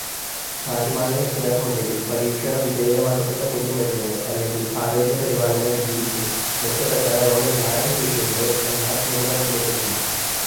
കാര്യമായ വ്യത്യാസമുണ്ടെങ്കിൽ പരീക്ഷണവിധേയമാക്കപ്പെട്ട പുതിയ മരുന്നിന്, അല്ലെങ്കില് ആരോഗ്യപരിപാലന രീതിക്ക് മെച്ചപ്പെട്ട രോഗനിവാരണശേഷിയുണ്ട് എന്ന നിഗമനത്തിലേക്കെത്തുന്നു.